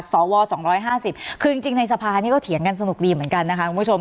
สอวอ๒๕๐คือจริงในสภานี้ก็เถียงกันสนุกดีเหมือนกัน